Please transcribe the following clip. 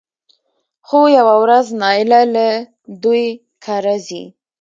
خو يوه ورځ نايله له دوی کره ځي